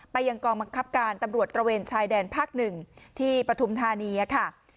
ยังกองบังคับการตำรวจตระเวนชายแดนภาค๑ที่ปฐุมธานีค่ะ